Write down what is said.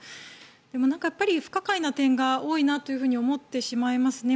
でも、やっぱり不可解な点が多いなと思ってしまいますね。